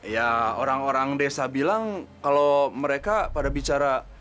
ya orang orang desa bilang kalau mereka pada bicara